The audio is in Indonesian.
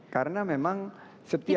karena memang setiap